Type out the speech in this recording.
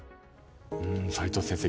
齋藤先生